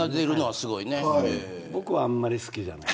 僕は、あんまり好きじゃない。